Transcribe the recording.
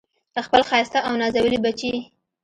خپل ښایسته او نازولي بچي